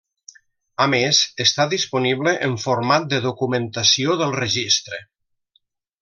A més, està disponible en format de documentació del registre.